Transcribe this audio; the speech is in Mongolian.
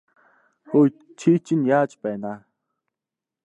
Хөөе чи чинь яаж байна аа?